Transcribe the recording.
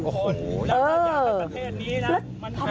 โอ้โหแล้วมาจากประเทศนี้นะ